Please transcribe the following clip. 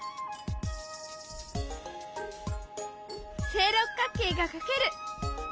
正六角形が描ける。